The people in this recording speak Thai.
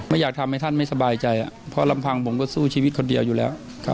อยากทำให้ท่านไม่สบายใจเพราะลำพังผมก็สู้ชีวิตคนเดียวอยู่แล้ว